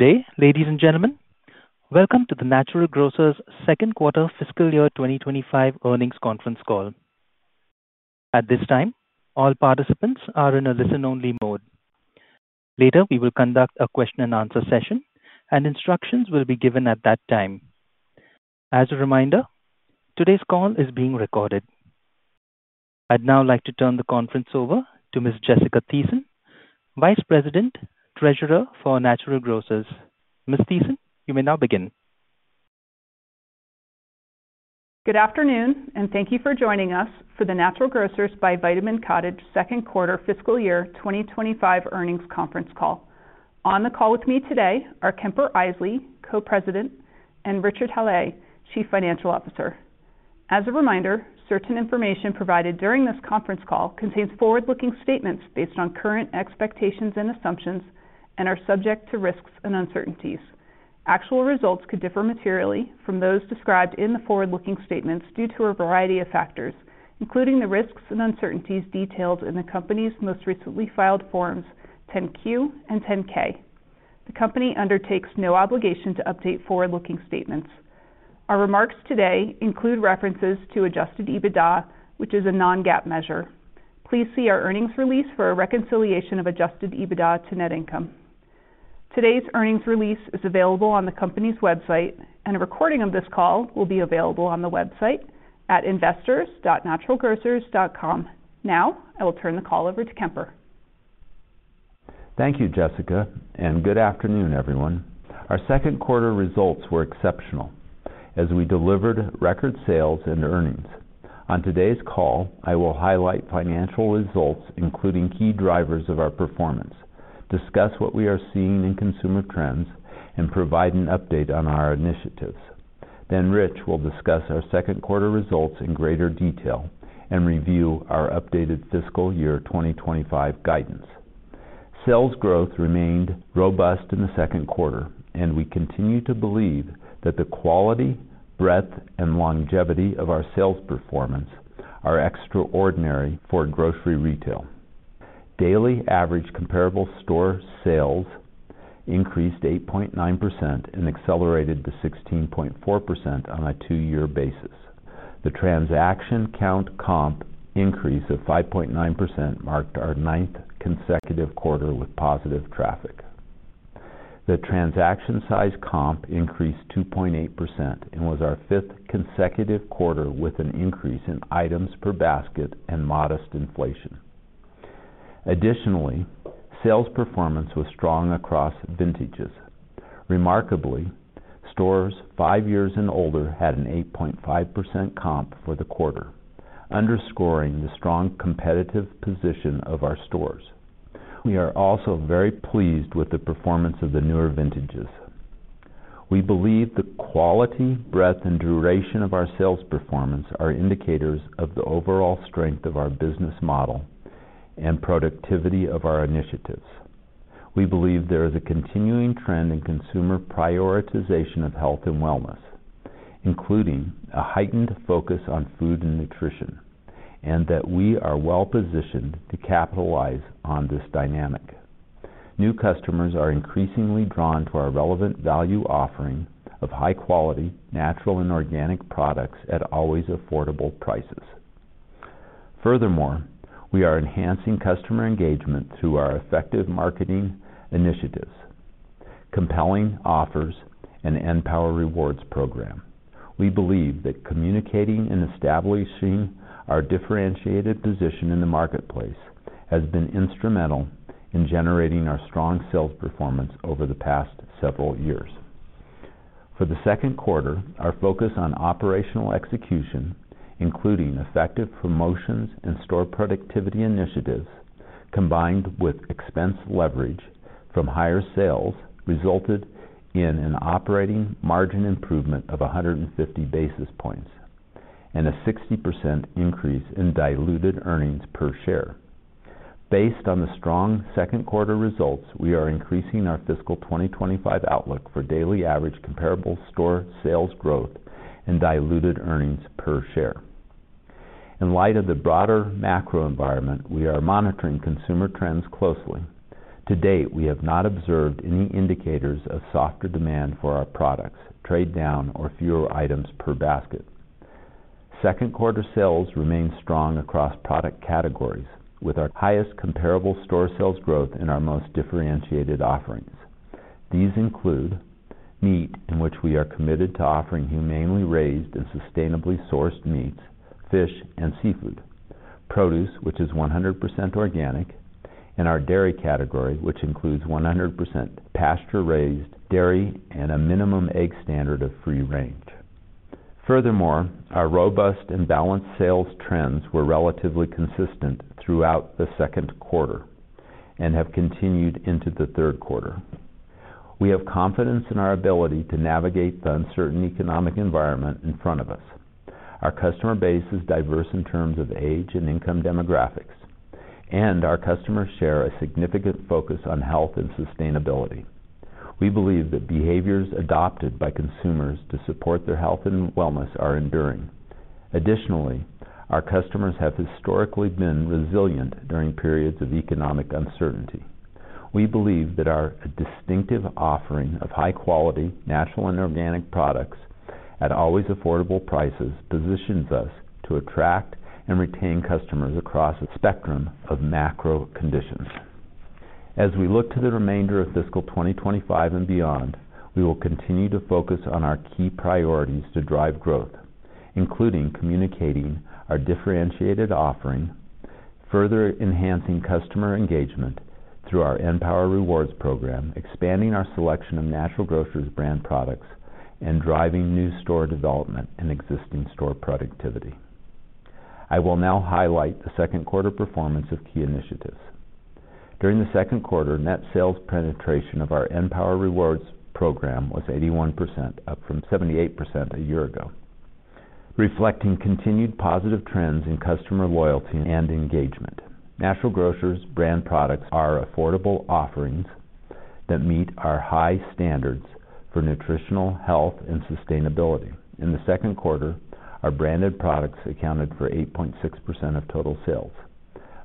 Good day, ladies and gentlemen. Welcome to the Natural Grocers second quarter fiscal year 2025 earnings conference call. At this time, all participants are in a listen-only mode. Later, we will conduct a question-and-answer session, and instructions will be given at that time. As a reminder, today's call is being recorded. I'd now like to turn the conference over to Ms. Jessica Thiessen, Vice President, Treasurer for Natural Grocers. Ms. Thiessen, you may now begin. Good afternoon, and thank you for joining us for the Natural Grocers by Vitamin Cottage second quarter fiscal year 2025 earnings conference call. On the call with me today are Kemper Isely, Co-President, and Richard Hallé, Chief Financial Officer. As a reminder, certain information provided during this conference call contains forward-looking statements based on current expectations and assumptions and are subject to risks and uncertainties. Actual results could differ materially from those described in the forward-looking statements due to a variety of factors, including the risks and uncertainties detailed in the company's most recently filed Forms 10-Q and 10-K. The company undertakes no obligation to update forward-looking statements. Our remarks today include references to adjusted EBITDA, which is a non-GAAP measure. Please see our earnings release for a reconciliation of adjusted EBITDA to net income. Today's earnings release is available on the company's website, and a recording of this call will be available on the website at investors.naturalgrocers.com. Now, I will turn the call over to Kemper. Thank you, Jessica, and good afternoon, everyone. Our second quarter results were exceptional as we delivered record sales and earnings. On today's call, I will highlight financial results, including key drivers of our performance, discuss what we are seeing in consumer trends, and provide an update on our initiatives. Rich will discuss our second quarter results in greater detail and review our updated fiscal year 2025 guidance. Sales growth remained robust in the second quarter, and we continue to believe that the quality, breadth, and longevity of our sales performance are extraordinary for grocery retail. Daily average comparable store sales increased 8.9% and accelerated to 16.4% on a two-year basis. The transaction count comp increase of 5.9% marked our ninth consecutive quarter with positive traffic. The transaction size comp increased 2.8% and was our fifth consecutive quarter with an increase in items per basket and modest inflation. Additionally, sales performance was strong across vintages. Remarkably, stores five years and older had an 8.5% comp for the quarter, underscoring the strong competitive position of our stores. We are also very pleased with the performance of the newer vintages. We believe the quality, breadth, and duration of our sales performance are indicators of the overall strength of our business model and productivity of our initiatives. We believe there is a continuing trend in consumer prioritization of health and wellness, including a heightened focus on food and nutrition, and that we are well-positioned to capitalize on this dynamic. New customers are increasingly drawn to our relevant value offering of high-quality, natural and organic products at always affordable prices. Furthermore, we are enhancing customer engagement through our effective marketing initiatives, compelling offers, and {N}power rewards program. We believe that communicating and establishing our differentiated position in the marketplace has been instrumental in generating our strong sales performance over the past several years. For the second quarter, our focus on operational execution, including effective promotions and store productivity initiatives, combined with expense leverage from higher sales, resulted in an operating margin improvement of 150 basis points and a 60% increase in diluted earnings per share. Based on the strong second quarter results, we are increasing our fiscal 2025 outlook for daily average comparable store sales growth and diluted earnings per share. In light of the broader macro environment, we are monitoring consumer trends closely. To date, we have not observed any indicators of softer demand for our products, trade down, or fewer items per basket. Second quarter sales remain strong across product categories, with our highest comparable store sales growth in our most differentiated offerings. These include meat, in which we are committed to offering humanely raised and sustainably sourced meats, fish, and seafood. Produce, which is 100% organic, and our dairy category, which includes 100% pasture-raised dairy and a minimum egg standard of free range. Furthermore, our robust and balanced sales trends were relatively consistent throughout the second quarter and have continued into the third quarter. We have confidence in our ability to navigate the uncertain economic environment in front of us. Our customer base is diverse in terms of age and income demographics, and our customers share a significant focus on health and sustainability. We believe that behaviors adopted by consumers to support their health and wellness are enduring. Additionally, our customers have historically been resilient during periods of economic uncertainty. We believe that our distinctive offering of high-quality, natural and organic products at always affordable prices positions us to attract and retain customers across a spectrum of macro conditions. As we look to the remainder of fiscal 2025 and beyond, we will continue to focus on our key priorities to drive growth, including communicating our differentiated offering, further enhancing customer engagement through our {N}power rewards program, expanding our selection of Natural Grocers brand products, and driving new store development and existing store productivity. I will now highlight the second quarter performance of key initiatives. During the second quarter, net sales penetration of our {N}power rewards program was 81%, up from 78% a year ago, reflecting continued positive trends in customer loyalty and engagement. Natural Grocers brand products are affordable offerings that meet our high standards for nutritional health and sustainability. In the second quarter, our branded products accounted for 8.6% of total sales,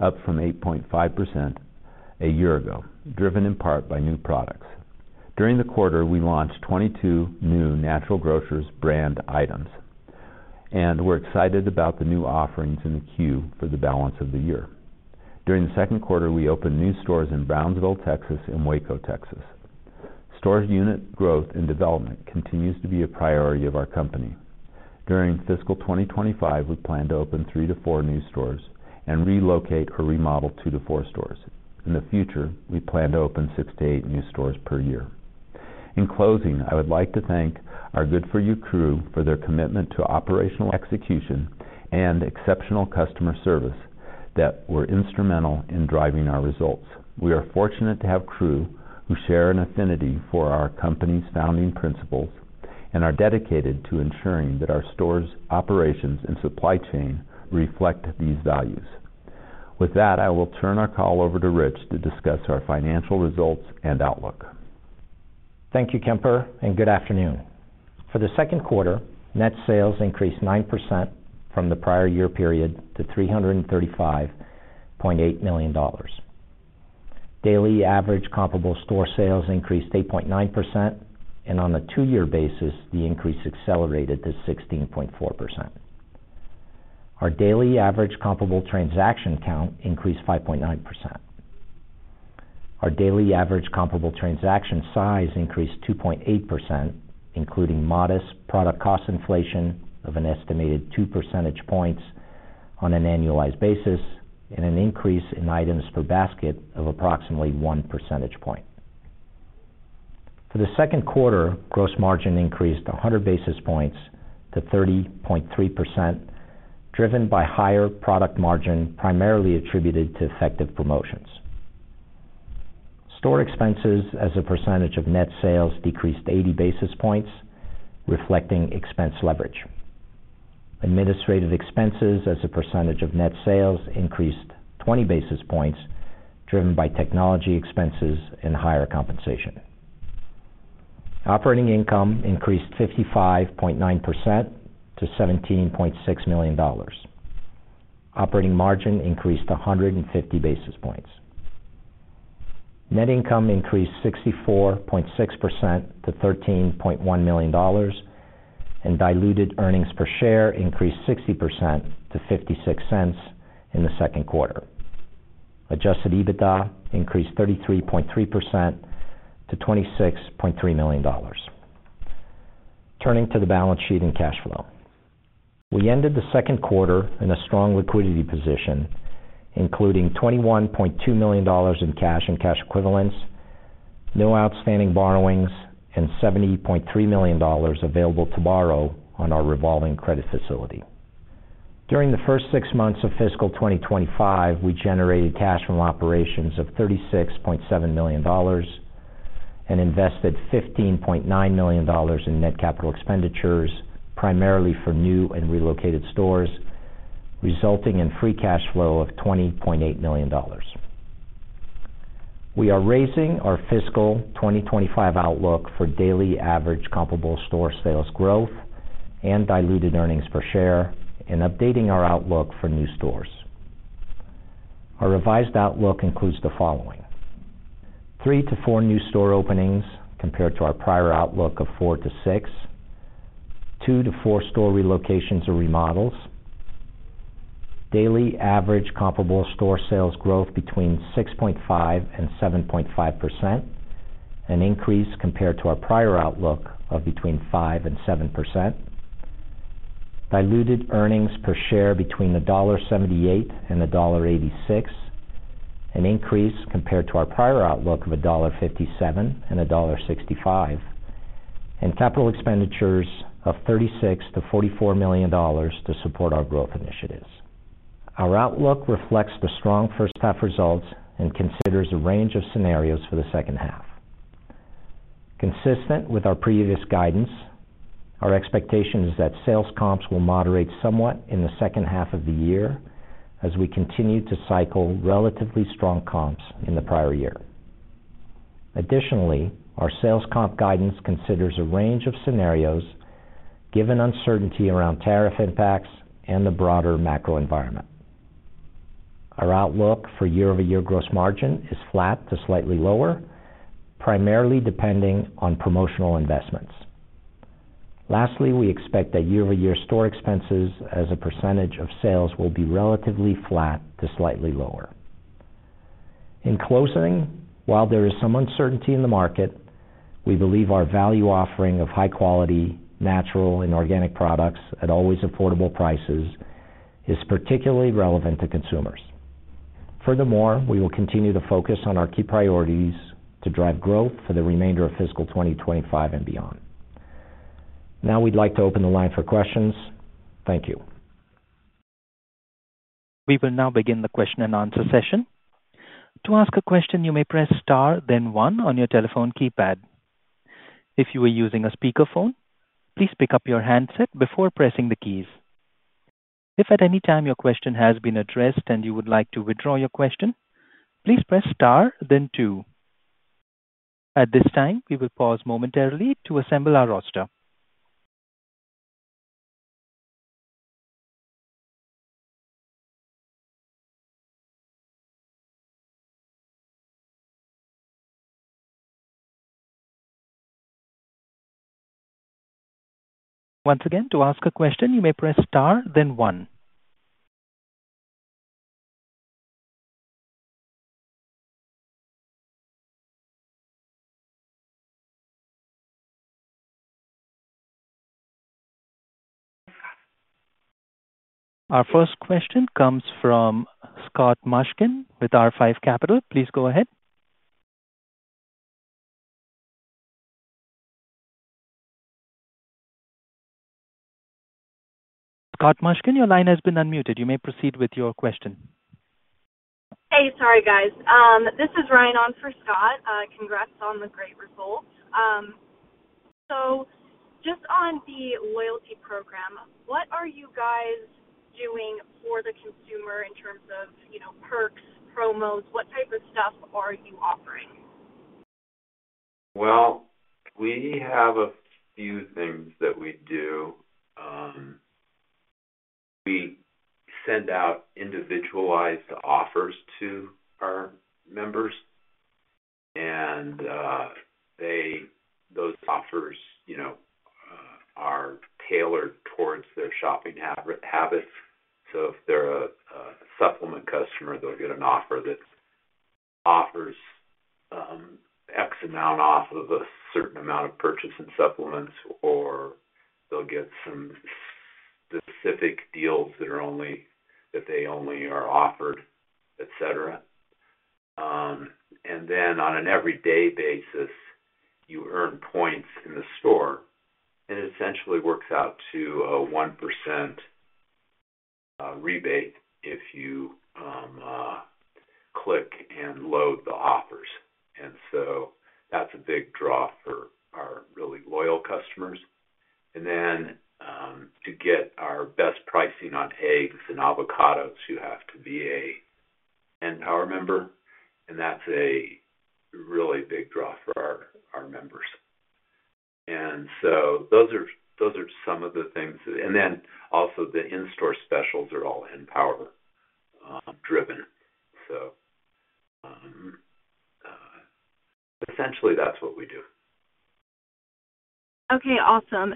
up from 8.5% a year ago, driven in part by new products. During the quarter, we launched 22 new Natural Grocers brand items, and we're excited about the new offerings in the queue for the balance of the year. During the second quarter, we opened new stores in Brownsville, Texas, and Waco, Texas. Store unit growth and development continues to be a priority of our company. During fiscal 2025, we plan to open three to four new stores and relocate or remodel two to four stores. In the future, we plan to open six to eight new stores per year. In closing, I would like to thank our good4u Crew for their commitment to operational execution and exceptional customer service that were instrumental in driving our results. We are fortunate to have Crew who share an affinity for our company's founding principles and are dedicated to ensuring that our store's operations and supply chain reflect these values. With that, I will turn our call over to Rich to discuss our financial results and outlook. Thank you, Kemper, and good afternoon. For the second quarter, net sales increased 9% from the prior year period to $335.8 million. Daily average comparable store sales increased 8.9%, and on a two-year basis, the increase accelerated to 16.4%. Our daily average comparable transaction count increased 5.9%. Our daily average comparable transaction size increased 2.8%, including modest product cost inflation of an estimated 2 percentage points on an annualized basis and an increase in items per basket of approximately 1 percentage point. For the second quarter, gross margin increased 100 basis points to 30.3%, driven by higher product margin primarily attributed to effective promotions. Store expenses as a percentage of net sales decreased 80 basis points, reflecting expense leverage. Administrative expenses as a percentage of net sales increased 20 basis points, driven by technology expenses and higher compensation. Operating income increased 55.9% to $17.6 million. Operating margin increased 150 basis points. Net income increased 64.6% to $13.1 million, and diluted earnings per share increased 60% to $0.56 in the second quarter. Adjusted EBITDA increased 33.3% to $26.3 million. Turning to the balance sheet and cash flow, we ended the second quarter in a strong liquidity position, including $21.2 million in cash and cash equivalents, no outstanding borrowings, and $70.3 million available to borrow on our revolving credit facility. During the first six months of fiscal 2025, we generated cash from operations of $36.7 million and invested $15.9 million in net capital expenditures, primarily for new and relocated stores, resulting in free cash flow of $20.8 million. We are raising our fiscal 2025 outlook for daily average comparable store sales growth and diluted earnings per share and updating our outlook for new stores. Our revised outlook includes the following: three to four new store openings compared to our prior outlook of four to six, two to four store relocations or remodels, daily average comparable store sales growth between 6.5% and 7.5%, an increase compared to our prior outlook of between 5% and 7%, diluted earnings per share between $1.78 and $1.86, an increase compared to our prior outlook of $1.57 and $1.65, and capital expenditures of $36 million-$44 million to support our growth initiatives. Our outlook reflects the strong first-half results and considers a range of scenarios for the second half. Consistent with our previous guidance, our expectation is that sales comps will moderate somewhat in the second half of the year as we continue to cycle relatively strong comps in the prior year. Additionally, our sales comp guidance considers a range of scenarios given uncertainty around tariff impacts and the broader macro environment. Our outlook for year-over-year gross margin is flat to slightly lower, primarily depending on promotional investments. Lastly, we expect that year-over-year store expenses as a percentage of sales will be relatively flat to slightly lower. In closing, while there is some uncertainty in the market, we believe our value offering of high-quality natural and organic products at always affordable prices is particularly relevant to consumers. Furthermore, we will continue to focus on our key priorities to drive growth for the remainder of fiscal 2025 and beyond. Now we'd like to open the line for questions. Thank you. We will now begin the question and answer session. To ask a question, you may press star, then one on your telephone keypad. If you are using a speakerphone, please pick up your handset before pressing the keys. If at any time your question has been addressed and you would like to withdraw your question, please press star, then two. At this time, we will pause momentarily to assemble our roster. Once again, to ask a question, you may press star, then one. Our first question comes from Scott Mushkin with R5 Capital. Please go ahead. Scott Mushkin, your line has been unmuted. You may proceed with your question. Hey, sorry, guys. This is Ryan on for Scott. Congrats on the great results. Just on the loyalty program, what are you guys doing for the consumer in terms of perks, promos? What type of stuff are you offering? We have a few things that we do. We send out individualized offers to our members, and those offers are tailored towards their shopping habits. So if they're a supplement customer, they'll get an offer that offers X amount off of a certain amount of purchasing supplements, or they'll get some specific deals that they only are offered, etc. On an everyday basis, you earn points in the store, and it essentially works out to a 1% rebate if you click and load the offers. That's a big draw for our really loyal customers. To get our best pricing on eggs and avocados, you have to be an {N}power member, and that's a really big draw for our members. Those are some of the things. Also, the in-store specials are all {N}power-driven. Essentially, that's what we do. Okay. Awesome.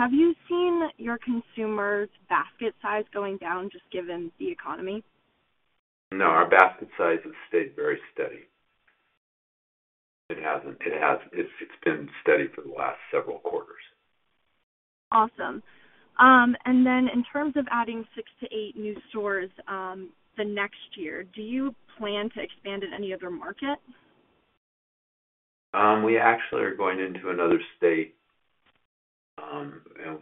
Have you seen your consumers' basket size going down just given the economy? No, our basket size has stayed very steady. It hasn't. It's been steady for the last several quarters. Awesome. In terms of adding six to eight new stores the next year, do you plan to expand in any other market? We actually are going into another state, and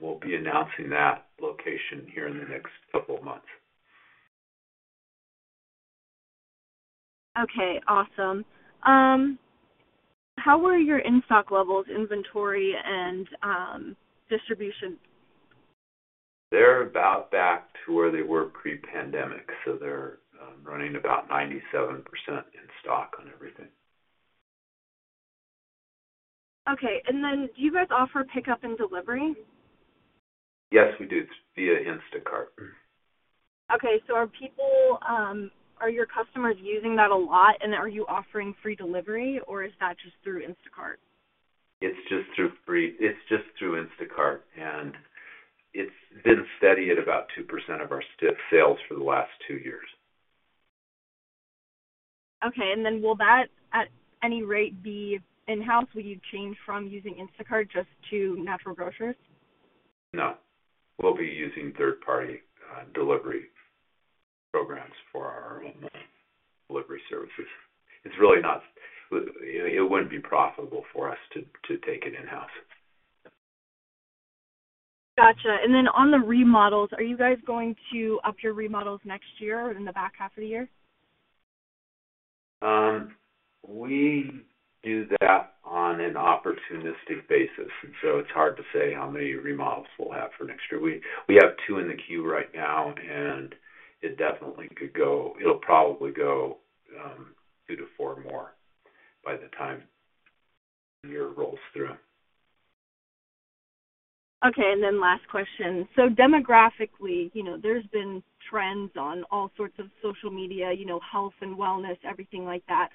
we'll be announcing that location here in the next couple of months. Okay. Awesome. How are your in-stock levels, inventory, and distribution? They're about back to where they were pre-pandemic, so they're running about 97% in stock on everything. Okay. Do you guys offer pickup and delivery? Yes, we do. It's via Instacart. Okay. So are your customers using that a lot, and are you offering free delivery, or is that just through Instacart? It's just through Instacart, and it's been steady at about 2% of our sales for the last two years. Okay. And then will that, at any rate, be in-house? Will you change from using Instacart just to Natural Grocers? No. We'll be using third-party delivery programs for our delivery services. It's really not—it wouldn't be profitable for us to take it in-house. Gotcha. On the remodels, are you guys going to up your remodels next year or in the back half of the year? We do that on an opportunistic basis, and so it's hard to say how many remodels we'll have for next year. We have two in the queue right now, and it definitely could go—it'll probably go two to four more by the time the year rolls through. Okay. And then last question. Demographically, there's been trends on all sorts of social media, health and wellness, everything like that.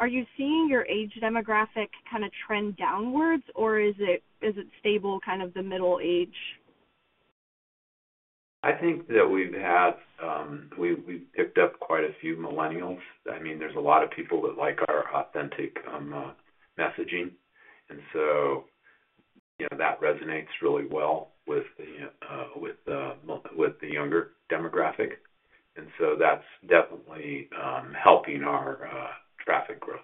Are you seeing your age demographic kind of trend downwards, or is it stable, kind of the middle age? I think that we've picked up quite a few millennials. I mean, there's a lot of people that like our authentic messaging, and that resonates really well with the younger demographic. That is definitely helping our traffic growth.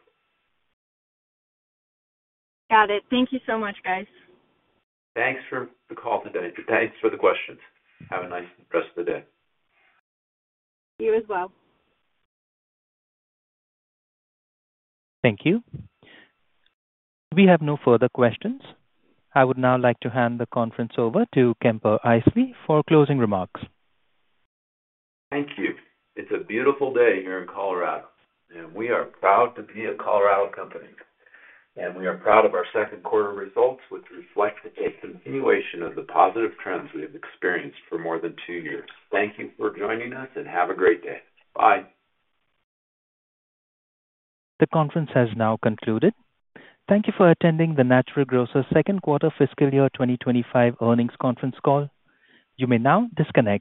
Got it. Thank you so much, guys. Thanks for the call today. Thanks for the questions. Have a nice rest of the day. You as well. Thank you. We have no further questions. I would now like to hand the conference over to Kemper Isely for closing remarks. Thank you. It's a beautiful day here in Colorado, and we are proud to be a Colorado company. We are proud of our second quarter results, which reflect a continuation of the positive trends we have experienced for more than two years. Thank you for joining us, and have a great day. Bye. The conference has now concluded. Thank you for attending the Natural Grocers second quarter fiscal year 2025 earnings conference call. You may now disconnect.